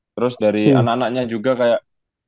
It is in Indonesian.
terus dari anak anaknya juga kayak